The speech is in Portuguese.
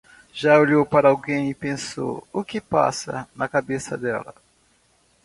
Já olhou para alguém e pensou, o que passa na cabeça dela?